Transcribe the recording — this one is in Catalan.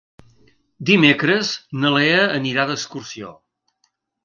Dimecres na Lea anirà d'excursió.